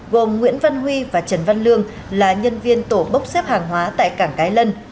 gồm nguyễn văn huy và trần văn lương là nhân viên tổ bốc xếp hàng hóa tại cảng cái lân